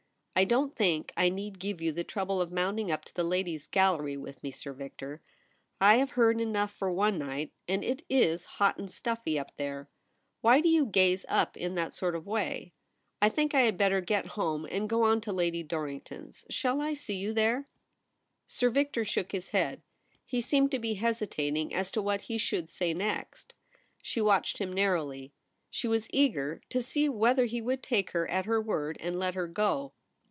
' I don't think I need give you the trouble of mounting up to the Ladies' Gallery with me. Sir Victor ; I have heard enough for one night, and it Is hot and stuffy up there. Why do you gaze up in that sort of way ? I think I had better get home, and go on to Lady Dorrlngton's. Shall I see you there 1' Sir Victor shook his head. He seemed to be hesitating as to what he should say next. She watched him narrowly. She was eager to see whether he would take her at her word and let her go.